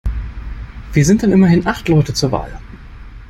Wir sind dann immerhin acht Leute zur Wahl.